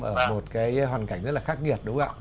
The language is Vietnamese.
ở một cái hoàn cảnh rất là khắc nghiệt đúng không ạ